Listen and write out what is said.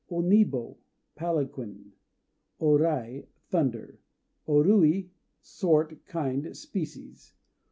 O Nibo "Palanquin" (?). O Rai "Thunder." O Rui "Sort," kind, species.